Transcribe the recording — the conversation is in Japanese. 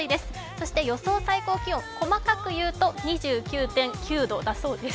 そして予想最高気温、細かく言うと２９．９度だそうです。